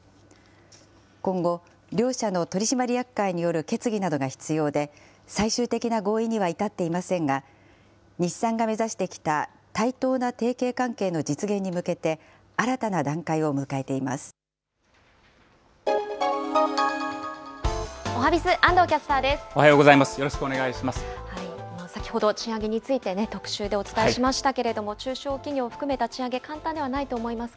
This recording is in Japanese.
今後、両社の取締役会による決議などが必要で、最終的な合意にはいたっていませんが、日産が目指してきた対等な提携関係の実現に向けて、新たな段階をおはＢｉｚ、おはようございます。